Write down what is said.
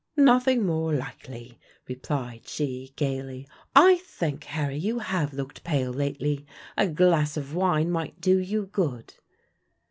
"Nothing more likely," replied she, gayly; "I think, Harry, you have looked pale lately; a glass of wine might do you good."